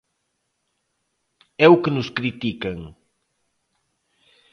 ¿É o que nos critican?